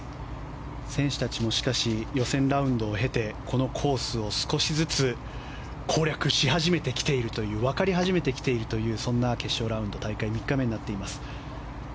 選手たちもしかし予選ラウンドを経てこのコースを少しずつ攻略し始めてきているという分かり始めてきているというそんな決勝ラウンド大会３日目になっています。